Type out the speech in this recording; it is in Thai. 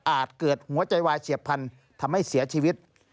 เกิดหัวใจวายเฉียบพันธุ์ทำให้เสียชีวิต